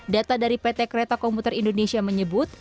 data dari pt kereta komuter indonesia menyebut